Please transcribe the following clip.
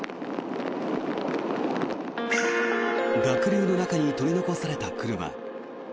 濁流の中に取り残された車。